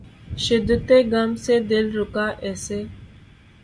شدتِ غم سے دل رکا ایسے